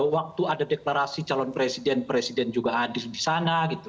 waktu ada deklarasi calon presiden presiden juga hadir di sana gitu